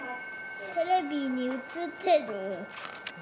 テレビに映ってる。